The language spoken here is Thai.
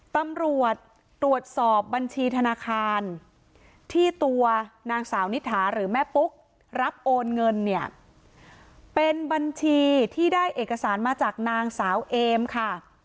ตำรวจตรวจสอบบัญชีธนาคารที่ตัวนางสาวนิถาหรือแม่ปุ๊กรับโอนเงินเนี่ยเป็นบัญชีที่ได้เอกสารมาจากนางสาวเอมค่ะ